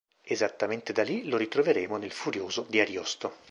Esattamente da lì lo ritroveremo nel "Furioso" di Ariosto.